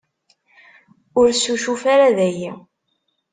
Ur succuf ara dayi.